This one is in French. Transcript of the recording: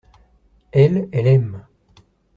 Elle, elle aime.